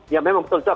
ya memang betul